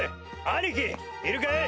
兄貴いるかい？